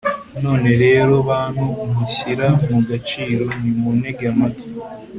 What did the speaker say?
none rero, bantu mushyira mu gaciro, nimuntege amatwi